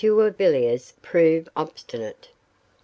Villiers prove obstinate.